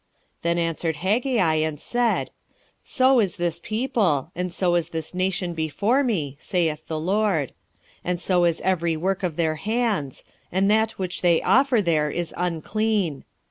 2:14 Then answered Haggai, and said, So is this people, and so is this nation before me, saith the LORD; and so is every work of their hands; and that which they offer there is unclean.